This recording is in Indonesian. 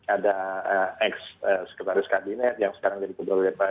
ada ex sekretaris kabinet yang sekarang jadi keburu buru